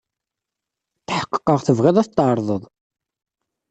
Tḥeqqeɣ tebɣid ad t-tɛerḍed.